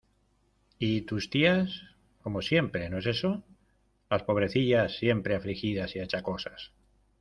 ¿Y tus tías? como siempre ¿No es eso? las pobrecillas siempre afligidas y achacosas.